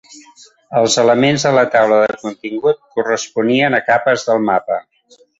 Els elements de la taula de contingut corresponien a capes del mapa.